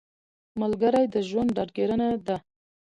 ملګری د ژوند ډاډګیرنه ده